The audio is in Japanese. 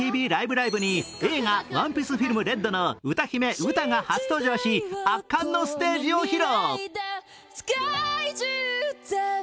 ライブ！」に映画「ＯＮＥＰＩＥＣＥＦＩＬＭＲＥＤ」の歌姫・ウタが初登場し圧巻のステージを披露。